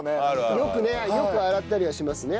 よく洗ったりはしますね。